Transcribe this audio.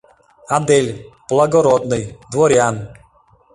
Адель — благородный, дворян.